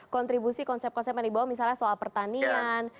kontribusi konsep konsep yang dibawa misalnya soal pertanian